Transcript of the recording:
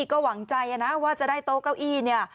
ก็หวังใจนะว่าจะได้โต๊ะเก้าอี้เนี่ย